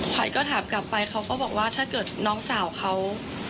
ก็ถามกลับไปเขาก็บอกว่าถ้าเกิดน้องสาวเขา